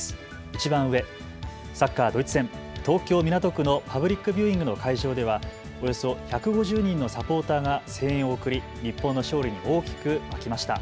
いちばん上、サッカードイツ戦東京港区のパブリックビューイングの会場ではおよそ１５０人のサポーターが声援を送り日本の勝利に大きく沸きました。